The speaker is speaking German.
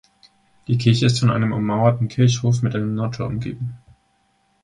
Die Kirche ist von einem ummauerten Kirchhof mit einem Nordtor umgeben.